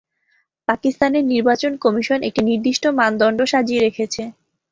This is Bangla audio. পাকিস্তানের নির্বাচন কমিশন একটি নির্দিষ্ট মানদণ্ড সাজিয়ে রেখেছে।